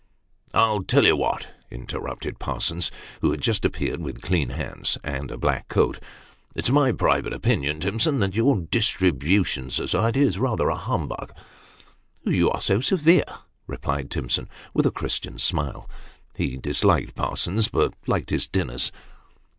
" I'll tell you what," interrupted Parsons, who had just appeared with clean hands, and a black coat, " it's my private opinion, Timson, that your ' distribution society ' is rather a humbug." " You are so severe," replied Timson, with a Christian smile : he disliked Parsons, but liked his dinners.